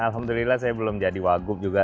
alhamdulillah saya belum jadi wagub juga